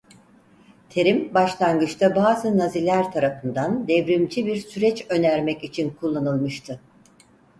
Terim başlangıçta bazı Naziler tarafından devrimci bir süreç önermek için kullanılmıştı.